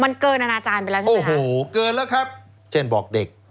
มันเกินอนาจารย์ไปแล้วใช่ไหมโอ้โหเกินแล้วครับเช่นบอกเด็ก